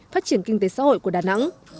phát triển kinh tế xã hội của đà nẵng